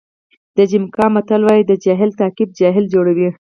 د جمیکا متل وایي د جاهل تعقیب جاهل جوړوي.